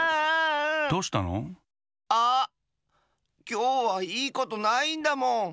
きょうはいいことないんだもん。